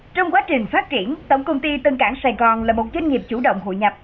trong quá trình phát triển tổng công ty tân cảng sài gòn là một doanh nghiệp chủ động hội nhập